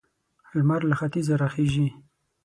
لمر له ختيځه را خيژي.